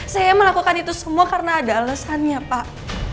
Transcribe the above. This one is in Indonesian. saya melakukan itu semua karena ada alasannya pak